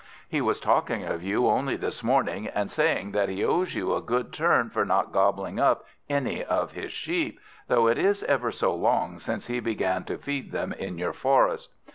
He was talking of you only this morning, and saying that he owes you a good turn for not gobbling up any of his sheep, though it is ever so long since he began to feed them in your forest.